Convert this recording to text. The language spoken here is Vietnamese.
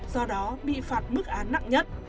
do đó bị phạt mức án nặng nhất